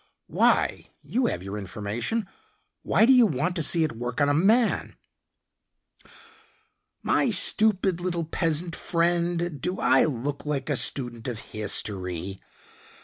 "Why? You have your information. Why do you want to see it work on a man?" "My stupid, little peasant friend, do I look like a student of history?"